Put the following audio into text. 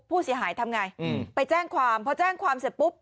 ผู้เสียหายทำง่ายอืมไปแจ้งความเพราะแจ้งความเสร็จปุ๊บ